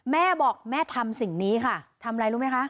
แม่บอกแม่ทำสิ่งนี้ค่ะทำอะไรรู้ไหมคะ